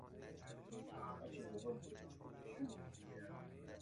ملتی دارای ریشههای نژادی چنان متفاوت